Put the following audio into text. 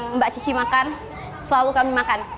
apa yang mbak cici makan selalu kami makan